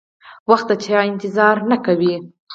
وخت د چا انتظار نه کوي.